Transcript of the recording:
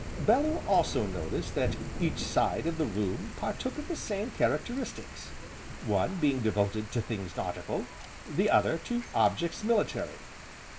Bellew also noticed that each side of the room partook of the same characteristics, one being devoted to things nautical, the other to objects military.